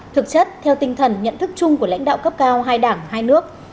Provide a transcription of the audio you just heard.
thực chất theo tinh thần nhận thức chung của lãnh đạo cấp cao hai đảng hai nước